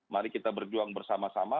mari kita berjuang bersama sama